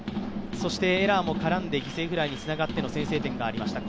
そして、エラーも絡んで犠牲フライに絡んでの先制点がありました。